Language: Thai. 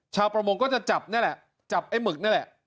ชาวประมงก็จะจับไอ้หมึกนั่นแหละ